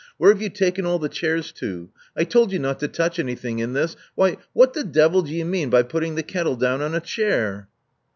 Where have you taken all the chairs to? I told you not to touch anything in this — ^why, what the devil do you mean by putting the kettle down on a chair?"